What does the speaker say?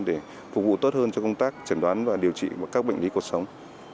để phục vụ tốt hơn cho công tác chẩn đoán và điều trị các bệnh lý cuộc sống